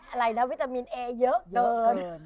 อะไรนะวิตามินเอเยอะเกิน